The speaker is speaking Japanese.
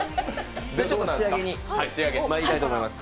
仕上げにまいりたいと思います。